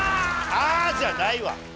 「あ」じゃないわ！